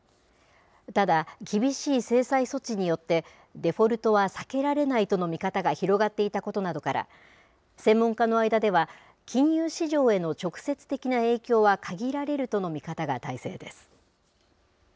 ただ、厳しい制裁措置によって、デフォルトは避けられないとの見方が広がっていたことなどから、専門家の間では、金融市場への直接的な影響は限られるとの見方が大勢です。